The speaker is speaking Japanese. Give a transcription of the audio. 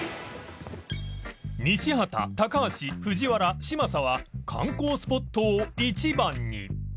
西畑高橋藤原嶋佐は観光スポットを１番に